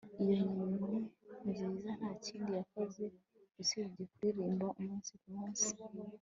Iyo nyoni nziza ntakindi yakoze usibye kuririmba umunsi kumunsi